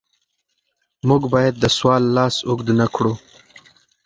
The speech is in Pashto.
موږ باید د سوال لاس اوږد نکړو.